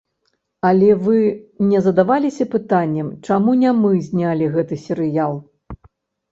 Але вы не задаваліся пытаннем, чаму не мы знялі гэты серыял?